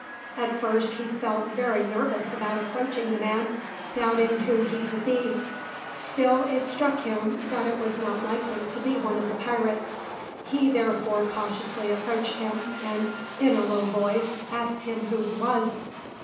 At first he felt very nervous about approaching the man, doubting who he could be. Still it struck him that it was not likely to be one of the pirates. He therefore cautiously approached him and, in a low voice, asked him who he was.